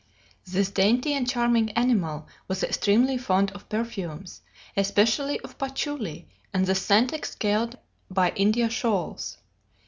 "This dainty and charming animal was extremely fond of perfumes, especially of patchouli and the scent exhaled by India shawls.